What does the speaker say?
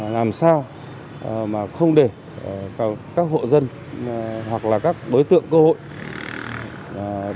làm sao mà không để các hộ dân hoặc là các đối tượng cơ hội